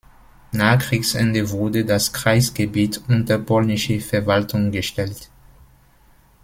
Nach Kriegsende wurde das Kreisgebiet unter polnische Verwaltung gestellt.